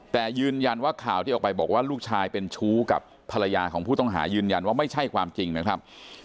แต่ยืนยันว่าข่าวที่ออกไปบอกว่าลูกชายเป็นชู้กับภรรยาของผู้ต้องหายืนยันว่าไม่ใช่ความจริงนะครับ